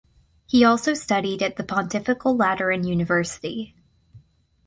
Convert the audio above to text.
He also studied at the Pontifical Lateran University.